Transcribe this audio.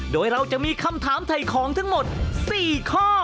โดยเราจะมีคำถามถ่ายของทั้งหมด๔ข้อ